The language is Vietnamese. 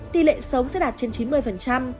tỷ lệ xấu sẽ đạt trên chín mươi